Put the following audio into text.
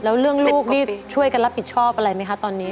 แล้วเรื่องลูกนี่ช่วยกันรับผิดชอบอะไรไหมคะตอนนี้